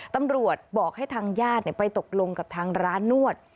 ตำรวจบอกให้ทางญาติไปตกลงกับทางร้านนวด